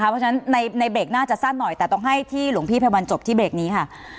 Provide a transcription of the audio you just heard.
เพราะฉะนั้นในเบรกน่าจะสั้นหน่อยแต่ต้องให้ที่หลวงพี่ไพวันจบที่เบรกนี้ค่ะ